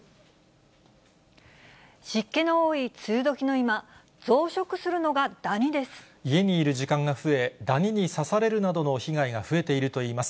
湿気の多い梅雨時の今、家にいる時間が増え、ダニに刺されるなどの被害が増えているといいます。